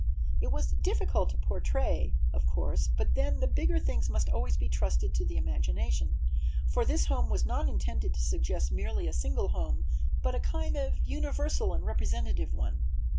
It was difficult to portray, of course, but then the bigger things must always be trusted to the imagination, for this home was not intended to suggest merely a single home but a kind of universal and representative one.